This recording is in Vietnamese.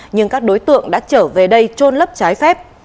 nhưng các đối tượng đã trở về đây trôn lấp trái phép